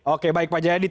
oke baik pak jayadi